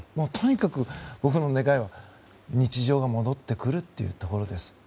とにかく僕の願いは、日常が戻ってくるというところです。